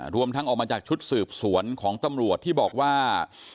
รวมทั้งออกมาจากชุดสืบสวนของตำรวจที่บอกว่า